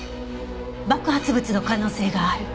爆発物の可能性がある。